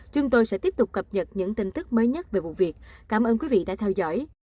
chúng tôi sẽ tiếp tục cập nhật những tin tức mới nhất về vụ việc cảm ơn quý vị đã theo dõi